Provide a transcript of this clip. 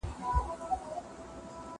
زه هره ورځ مينه څرګندوم؟!